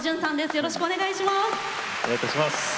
よろしくお願いします。